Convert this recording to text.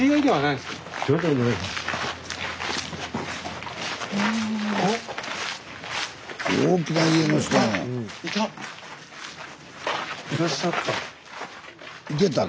いらっしゃった。